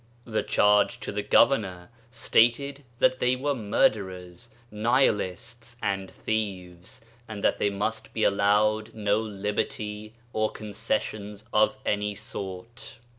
The charge to the Gover nor stated that they were murderers, Nihilists, and thieves, and that they must be allowed no lib erty or concessions of any sort.